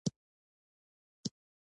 د هغو اثر په تېره پېړۍ کې کم رنګه شوی.